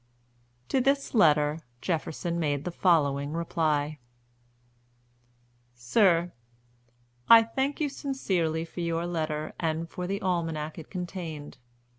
To this letter Jefferson made the following reply: "SIR, I thank you sincerely for your letter, and for the Almanac it contained.